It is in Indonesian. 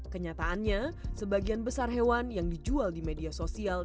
kenyataannya sebagian besar hewan yang dijual di media sosial